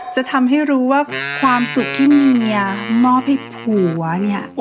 จะทำให้รู้ว่าความสุขที่เมียมอบให้ผัวเนี่ย